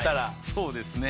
そうですね。